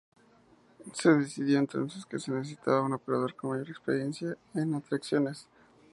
Se decidió entonces que se necesitaba un operador con mayor experiencia en atracciones.